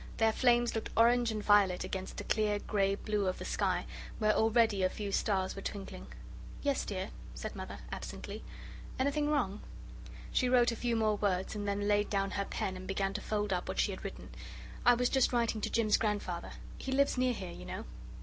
Their flames looked orange and violet against the clear grey blue of the sky where already a few stars were twinkling. "Yes, dear," said Mother, absently, "anything wrong?" She wrote a few more words and then laid down her pen and began to fold up what she had written. "I was just writing to Jim's grandfather. He lives near here, you know."